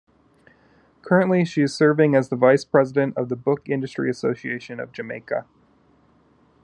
Currently, she is serving as the vice-president of the Book Industry Association of Jamaica.